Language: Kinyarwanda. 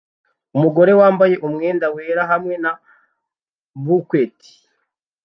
Umugore wambaye umwenda wera hamwe na bouquet